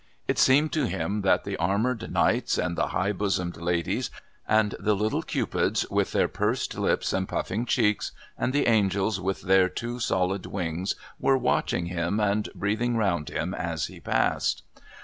It seemed to him that the armoured knights and the high bosomed ladies, and the little cupids with their pursed lips and puffing cheeks, and the angels with their too solid wings were watching him and breathing round him as he passed.